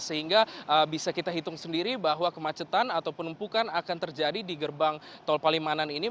sehingga bisa kita hitung sendiri bahwa kemacetan atau penumpukan akan terjadi di gerbang tol palimanan ini